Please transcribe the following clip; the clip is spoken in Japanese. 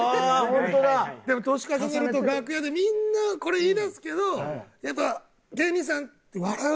でも年重ねると楽屋でみんなこれ言い出すけどやっぱ芸人さん笑うじゃん。